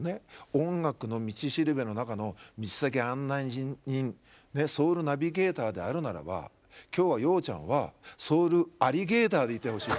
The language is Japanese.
音楽の道しるべの中の水先案内人ソウルナビゲーターであるならば今日は洋ちゃんはソウルアリゲーターでいてほしい。